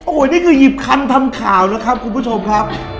โอ้โหนี่คือหยิบคันทำข่าวนะครับคุณผู้ชมครับ